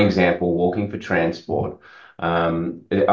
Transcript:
berjalan kaki untuk transportasi